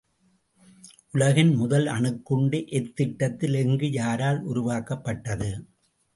உலகின் முதல் அணுக்குண்டு எத்திட்டத்தில் எங்கு யாரால் உருவாக்கப்பட்டது?